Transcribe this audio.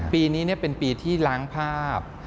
ปีนี้เป็นปีที่ล้างภาพ